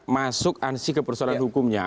masuk ansi ke persoalan hukumnya